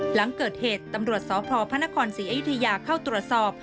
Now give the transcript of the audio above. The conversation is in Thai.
หลังเกิดเหตุตำรวจสพพระนครศรีอยุธยาเข้าตรวจสอบ